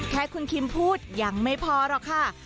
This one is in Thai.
แค่คุณคิมพูดยังไม่พอหรอกค่ะ